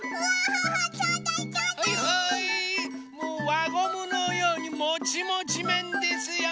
わゴムのようにもちもちめんですよ！